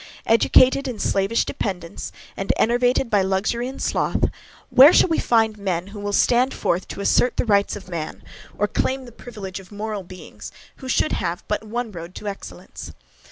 Educated in slavish dependence, and enervated by luxury and sloth, where shall we find men who will stand forth to assert the rights of man; or claim the privilege of moral beings, who should have but one road to excellence?